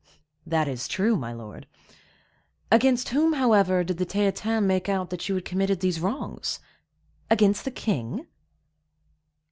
"That is true, my lord. Against whom, however, did the Theatin make out that you had committed these wrongs? Against the king?"